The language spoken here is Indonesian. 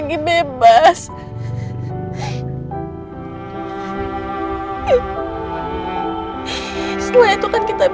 dia tiada seseorang diantara